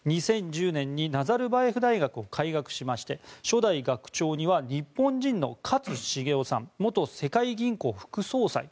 ２０１０年にナザルバエフ大学を開学しまして初代学長には日本人の勝茂夫さん元世界銀行副総裁。